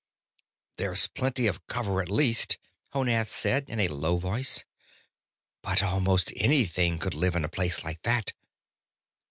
"There's plenty of cover, at least," Honath said in a low voice. "But almost anything could live in a place like that."